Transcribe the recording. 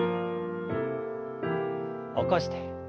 起こして。